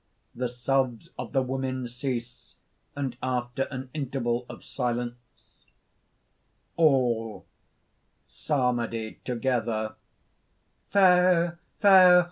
_ The sobs of the women cease and after an interval of silence,) ALL (psalmody together): "Fair! fair!